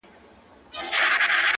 ور سره ښکلی موټر وو نازولی وو د پلار,